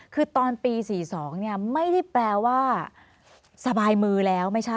คือตอนปี๑๙๔๒นี่ไม่ได้แปลว่าสบายมือแล้ว